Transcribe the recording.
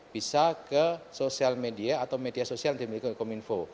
bisa ke sosial media atau media sosial yang dimiliki kominfo